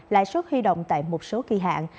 lãi suất huy động tại một số kỳ hạn